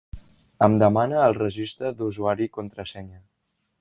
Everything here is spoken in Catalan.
Em demana el registre d'usuari i contrasenya.